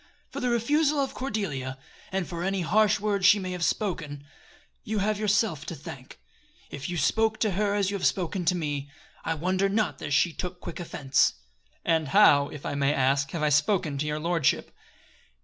For the refusal of Cordelia, and for any harsh words she may have spoken, you have yourself to thank. If you spoke to her as you have spoken to me I wonder not that she took quick offense." "And how, if I may ask, have I spoken to your lordship?"